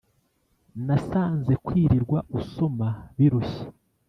nasanze kwirirwa usoma birushya